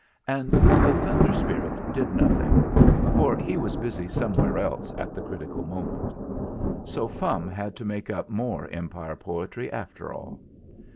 And the Thunder Spirit did nothing, for he was busy somewhere else at the critical mo THE REIGN OF PHUTT 55 ment; so Fum had to make up more Empire poetry after all.